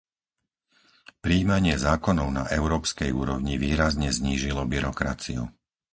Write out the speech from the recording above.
Prijímanie zákonov na európskej úrovni výrazne znížilo byrokraciu.